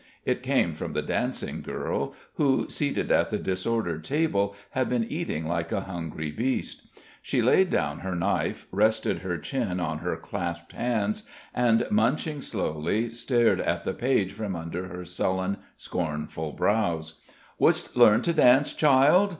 It came from the dancing girl, who, seated at the disordered table, had been eating like a hungry beast. She laid down her knife, rested her chin on her clasped hands, and, munching slowly, stared at the page from under her sullen, scornful brows. "Wouldst learn to dance, child?"